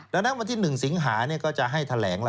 เดิมไปที่๑สิงหาจะให้แถลง